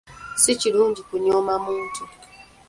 Si kirungi kunyooma muntu.